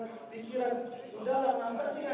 udah lah masa sih gak ada yang memanjakan yang terkita